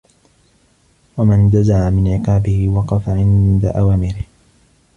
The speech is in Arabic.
وَمَنْ جَزَعَ مِنْ عِقَابِهِ وَقَفَ عِنْدَ أَوَامِرِهِ